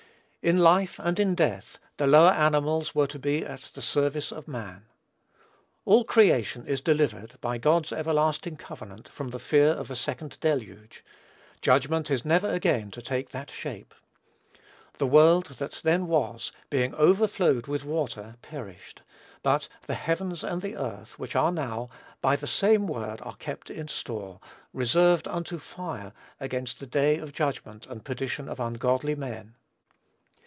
In life, and in death, the lower animals were to be at the service of man. All creation is delivered, by God's everlasting covenant, from the fear of a second deluge. Judgment is never again to take that shape. "The world that then was, being overflowed with water, perished; but the heavens and the earth, which are now, by the same word are kept in store, reserved unto fire against the day of judgment and perdition of ungodly men."